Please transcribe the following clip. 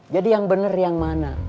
jadi yang bener yang mana